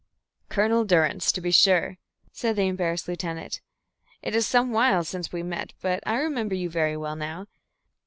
"Colonel Durrance, to be sure," said the embarrassed lieutenant. "It is some while since we met, but I remember you very well now.